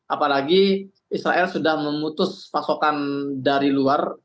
apalagi israel sudah memutus pasokan dari luar